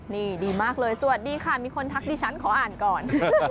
นี่ดีมากเลยสวัสดีค่ะมีคนทักดิฉันขออ่านก่อน